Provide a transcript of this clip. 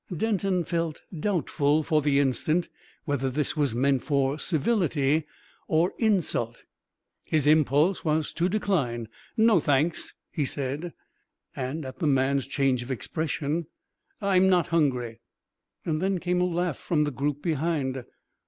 Denton felt doubtful for the instant whether this was meant for civility or insult. His impulse was to decline. "No, thanks," he said; and, at the man's change of expression, "I'm not hungry." There came a laugh from the group behind.